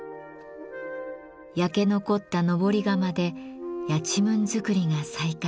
焼け残った登り窯でやちむん作りが再開しました。